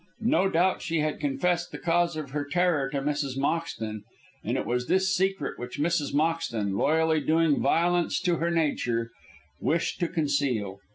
No doubt she had confessed the cause of her terror to Mrs. Moxton, and it was this secret which Mrs. Moxton, loyally doing violence to her nature, wished to conceal.